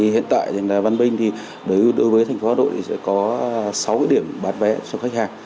hiện tại là văn minh thì đối với thành phố hà nội sẽ có sáu điểm bán vé cho khách hàng